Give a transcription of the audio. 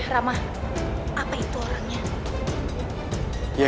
ramah apa itu orangnya